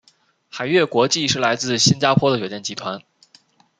海悦国际是来自新加坡的酒店集团。